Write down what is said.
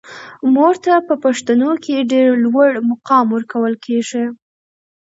مور ته په پښتنو کې ډیر لوړ مقام ورکول کیږي.